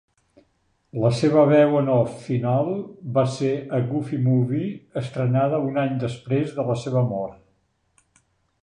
La seva veu en off final va ser "A Goofie Movie", estrenada un any després de la seva mort.